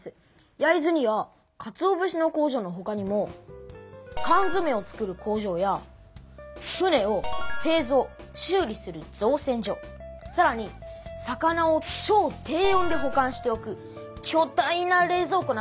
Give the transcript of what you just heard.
焼津にはかつお節の工場のほかにも缶詰を作る工場や船をせいぞうしゅう理する造船所さらに魚をちょう低温でほ管しておくきょ大な冷蔵庫などもあるんです。